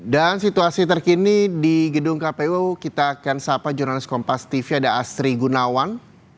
dan situasi terkini di gedung kpu kita akan sahabat jurnalis kompas tv ada asri gunawan